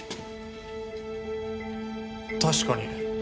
確かに。